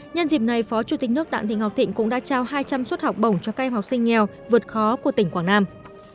nhân dịp này phó chủ tịch nước đặng thị ngọc thịnh cũng đã trao hai trăm linh suất học bổng cho các em học sinh nghèo vượt khó của tỉnh quảng nam